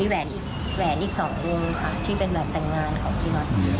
มีแหวนอีกแหวนอีกสองวงค่ะที่เป็นแหวนแต่งงานของพี่ร้าน